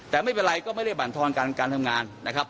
แต่ไม่เป็นไรก็ไม่ได้บรรทอนการทำงานนะครับ